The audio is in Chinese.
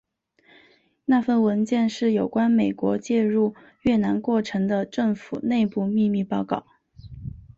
那份文件是有关美国介入越南过程的政府内部秘密报告。